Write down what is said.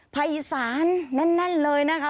ภาคอีสานนั่นเลยนะคะ